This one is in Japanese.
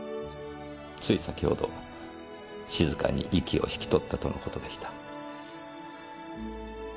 つい先程静かに息を引き取ったとの事でした。